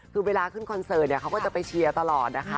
คือเวลาขึ้นคอนเสิร์ตเนี่ยเขาก็จะไปเชียร์ตลอดนะคะ